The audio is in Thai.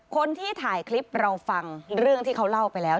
คนที่ถ่ายคลิปเราฟังเรื่องที่เขาเล่าไปแล้ว